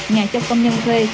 nhà cho công nhân thuê